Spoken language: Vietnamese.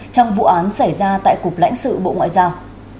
trong vụ án xảy ra tại cục lãnh sự bộ ngoại giao